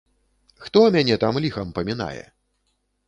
Хто мяне там ліхам памінае?